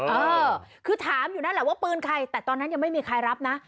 เออคือถามอยู่นั่นแหละว่าปืนใครแต่ตอนนั้นยังไม่มีใครรับนะ